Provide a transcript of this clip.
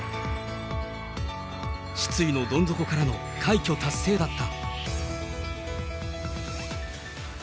失意のどん底からの快挙達成だった。